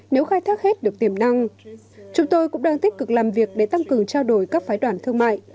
nếu khai thác hết được tiềm năng chúng tôi cũng đang tích cực làm việc để tăng cường trao đổi các phái đoạn thương mại